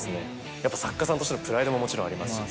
やっぱ作家さんとしてのプライドももちろんありますし。